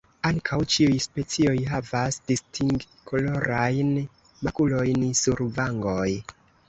Ankaŭ ĉiuj specioj havas distingkolorajn makulojn sur vangoj.